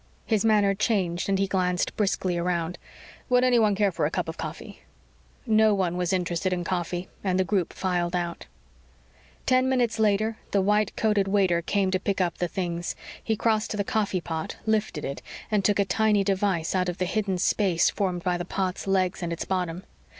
His manner changed and he glanced briskly around. "Would anyone care for a cup of coffee?" No one was interested in coffee and the group filed out. Ten minutes later, the white coated waiter came to pick up the things. He crossed to the coffeepot, lifted it, and took a tiny device out of the hidden space formed by the pot's legs and its bottom.